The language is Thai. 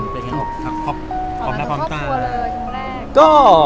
เป็นยังไงครับของแม่พ่อคุณค่ะ